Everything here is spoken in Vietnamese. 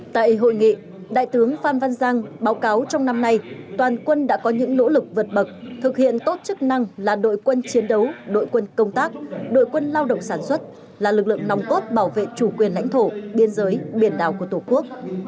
tại hội nghị đại tướng phan văn giang báo cáo trong năm nay toàn quân đã có những nỗ lực vượt bậc thực hiện tốt chức năng là đội quân chiến đấu đội quân công tác đội quân lao động sản xuất là lực lượng nòng cốt bảo vệ chủ quyền lãnh thổ biên giới biển đảo của tổ quốc